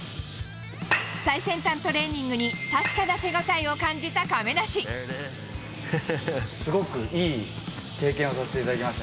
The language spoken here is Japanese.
最先端トレーニングに確かなすごくいい経験をさせていただきました。